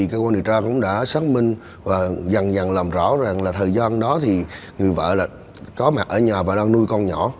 các quan trọng cũng đã xác minh và dần dần làm rõ rằng là thời gian đó thì người vợ có mặt ở nhà và đang nuôi con nhỏ